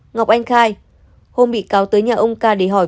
ngọc anh khai hôm bị cáo tới nhà ông ca để hỏi